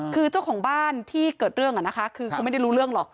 คือเจ้าของบ้านที่เกิดเรื่องคือไม่ได้รู้เรื่องหรอก